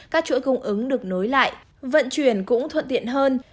các chuỗi cung ứng được nối lại vận chuyển cũng thuận tiện hơn